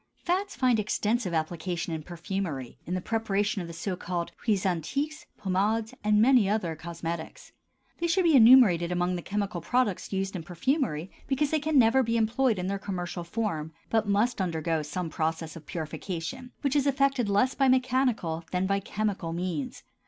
Fats find extensive application in perfumery, in the preparation of the so called huiles antiques, pomades, and many other cosmetics. They should be enumerated among the chemical products used in perfumery because they can never be employed in their commercial form, but must undergo some process of purification, which is effected less by mechanical than by chemical means.